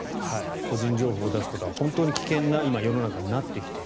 個人情報を出すことは今、本当に危険な世の中になってきている。